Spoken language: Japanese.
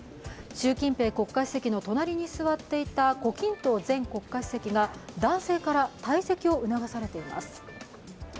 習近平国家主席の隣に座っていた胡錦涛前国家主席が男性から退席を促されています。